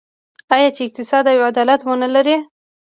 آیا چې اقتصاد او عدالت ونلري؟